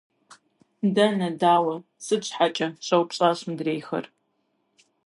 - Дэнэ? Дауэ? Сыт щхьэкӀэ? – щӀэупщӀащ мыдрейхэр.